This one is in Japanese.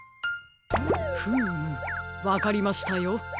フームわかりましたよ。